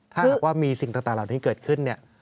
ถ้าหากว่ามีสิ่งต่างเหล่านี้เกิดขึ้นเนี่ย